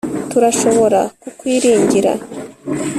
turashobora kukwiringira